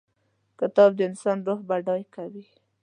کتاب د انسان روح بډای کوي.